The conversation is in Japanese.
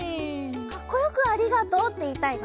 かっこよく「ありがとう」っていいたいの？